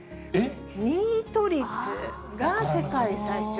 ニート率が世界最少。